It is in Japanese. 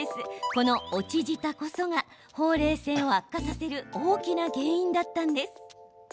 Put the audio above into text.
この落ち舌こそがほうれい線を悪化させる大きな原因だったんです。